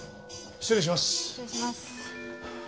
失礼します。